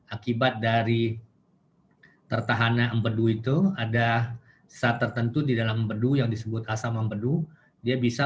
akibat dari tertahanan empedu itu ada saat tertentu di dalam empedu yang disebut asal membenuh dia bisa